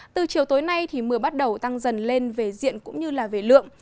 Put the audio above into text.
từ chiều tối nay mưa bắt đầu tăng dần lên về diện cũng như về lượng